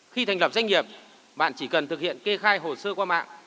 khi thành lập doanh nghiệp bạn chỉ cần thực hiện kê khai hồ sơ qua mạng